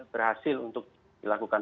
berhasil untuk dilakukan